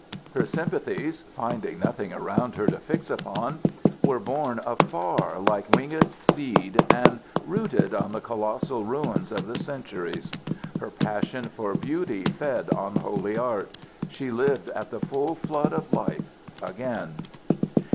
Her sympathies, finding nothing around her to fix upon, were borne afar like winged seed and rooted on the colossal ruins of the centuries. Her passion for beauty fed on holy art. She lived at the full flood of life again.